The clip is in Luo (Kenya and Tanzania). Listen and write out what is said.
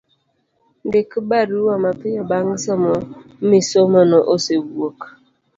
Ndik barua mapiyo bang' somo misomono osewuok